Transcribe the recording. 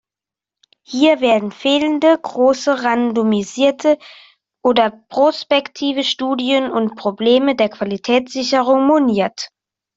Hier werden fehlende große randomisierte oder prospektive Studien und Probleme der Qualitätssicherung moniert.